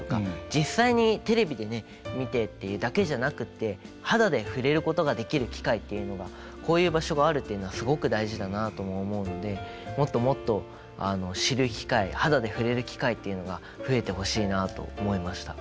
実際にテレビでね見てっていうだけじゃなくって肌で触れることができる機会というのがこういう場所があるっていうのはすごく大事だなとも思うのでもっともっと知る機会肌で触れる機会っていうのが増えてほしいなと思いました。